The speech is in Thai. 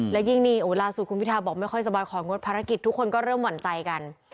และยิ่งนี่ล่าสุดคุณพิทาบอกไม่ค่อยสบายของงดภารกิจทุกคนก็เริ่มหวั่นใจกัน